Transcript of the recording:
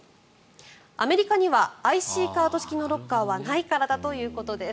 アメリカにはＩＣカード式のロッカーはないからだということです。